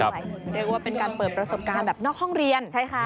เรียกว่าเป็นการเปิดประสบการณ์แบบนอกห้องเรียนใช่ค่ะ